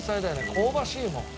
香ばしいもん。